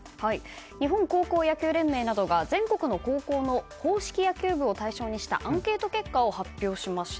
日本高校野球連盟などが全国の高校の硬式野球部を対象にしたアンケート結果を発表しました。